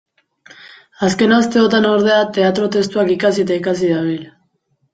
Azken asteotan, ordea, teatro-testuak ikasi eta ikasi dabil.